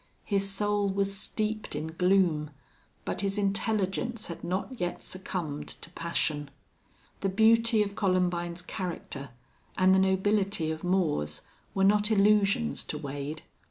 His soul was steeped in gloom, but his intelligence had not yet succumbed to passion. The beauty of Columbine's character and the nobility of Moore's were not illusions to Wade.